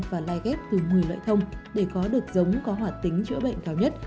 và lai ghép từ một mươi loại thông để có được giống có hoạt tính chữa bệnh cao nhất